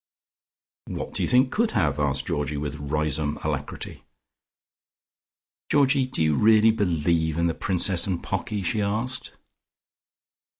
"What do you think could have?" asked Georgie with Riseholme alacrity. "Georgie, do you really believe in the Princess and Pocky?" she asked.